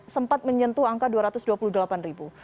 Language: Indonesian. sempat menyentuh angka dua ratus dua puluh delapan ribu